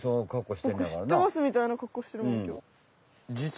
ボク知ってますみたいな格好してるもんきょう。